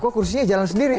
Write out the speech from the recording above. kok kursinya jalan sendiri